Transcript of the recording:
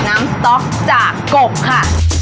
น้ำสต๊อกจากกบค่ะ